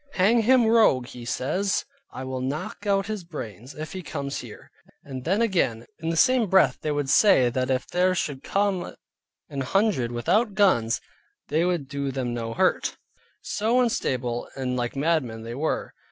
Hang him rogue (says he) I will knock out his brains, if he comes here. And then again, in the same breath they would say that if there should come an hundred without guns, they would do them no hurt. So unstable and like madmen they were.